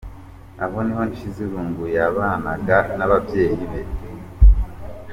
Aha niho Nshizirungu yabanaga n'ababyeyi be.